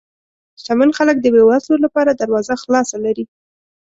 شتمن خلک د بې وزلو لپاره دروازه خلاصه لري.